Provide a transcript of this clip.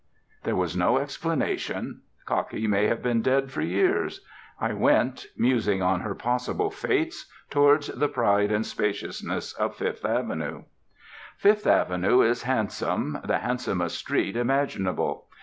There was no explanation; Cockie may have been dead for years. I went, musing on her possible fates, towards the pride and spaciousness of Fifth Avenue. Fifth Avenue is handsome, the handsomest street imaginable.